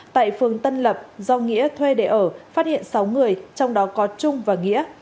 tại phường tân lập do nghĩa thuê để ở phát hiện sáu người trong đó có trung và nghĩa